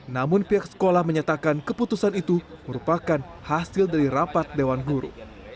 namun pihak sekolah menyatakan keputusan itu merupakan hasil dari rapat dewan guru